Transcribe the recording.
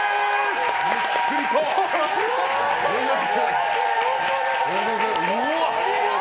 ゆっくりと。